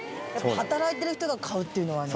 働いてる人が買うっていうのはね。